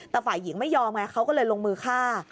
แต่ฝ่ายหญิงไม่ยอมไงเขาก็เลยลงมือฆ่า